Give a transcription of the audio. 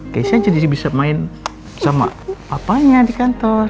keisha jadi bisa main sama papanya di kantor